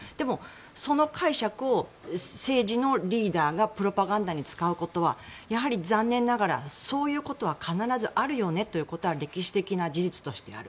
その解釈って政治のリーダーがプロパガンダに使うことはやはり残念ながらそういうことは必ずあるよねってことは歴史的な事実としてある。